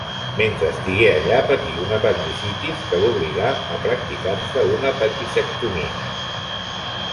Mentre estigué allà, patí una apendicitis que l'obligà a practicar-se una apendicectomia.